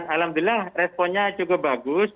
alhamdulillah responnya cukup bagus